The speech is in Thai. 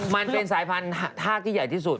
มันเป็นสายพันธุ์ทากที่ใหญ่ที่สุด